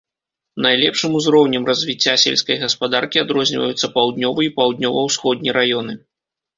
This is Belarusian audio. Найлепшым узроўнем развіцця сельскай гаспадаркі адрозніваюцца паўднёвы і паўднёва-ўсходні раёны.